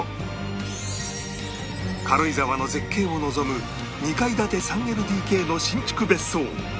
軽井沢の絶景を望む２階建て ３ＬＤＫ の新築別荘